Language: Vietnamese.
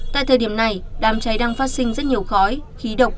tại thời điểm này đám cháy đang phát sinh rất nhiều khói khí độc